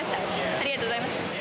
ありがとうございます